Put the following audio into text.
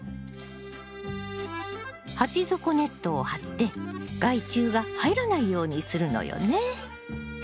鉢底ネットを貼って害虫が入らないようにするのよね。